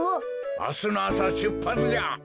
あすのあさしゅっぱつじゃ。